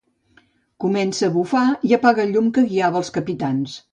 Comença a bufar i apaga el llum que guiava els capitans.